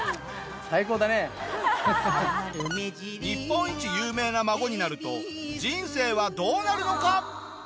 日本一有名な孫になると人生はどうなるのか？